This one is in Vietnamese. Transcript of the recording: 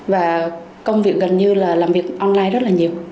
và công việc gần như là làm việc online rất là nhiều